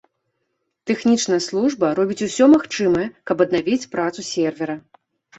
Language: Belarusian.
Тэхнічная служба робіць усё магчымае, каб аднавіць працу сервера.